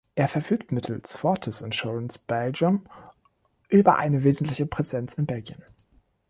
Er verfügt mittels Fortis Insurance Belgium über eine wesentliche Präsenz in Belgien.